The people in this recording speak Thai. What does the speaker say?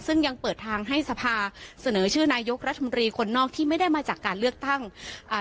ซึ่งยังเปิดทางให้สภาเสนอชื่อนายกรัฐมนตรีคนนอกที่ไม่ได้มาจากการเลือกตั้งอ่า